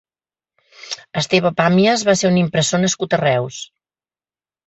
Esteve Pàmies va ser un impressor nascut a Reus.